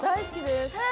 はい。